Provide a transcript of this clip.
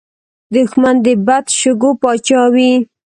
دښمن د بد شګو پاچا وي